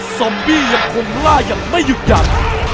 ซอมบี้ยังคงล่าอย่างไม่หยุดหยัน